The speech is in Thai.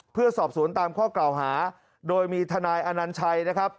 เพื่อสอบสวนตามข้อกล่าวหาโดยมีทนายอนัญชัยนะครับ